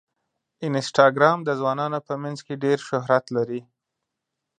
انسټاګرام د ځوانانو په منځ کې ډېر شهرت لري.